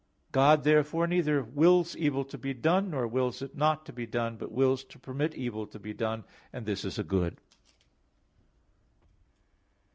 God therefore neither wills evil to be done, nor wills it not to be done, but wills to permit evil to be done; and this is a good.